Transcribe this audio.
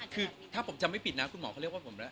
คือถ้าผมจะไม่ปีกนะคุณหมอเขาเรียกว่า